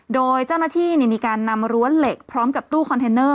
โดยเจ้าหน้าที่มีการนำรั้วเหล็กพร้อมกับตู้คอนเทนเนอร์